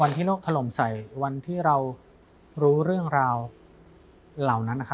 ที่โลกถล่มใส่วันที่เรารู้เรื่องราวเหล่านั้น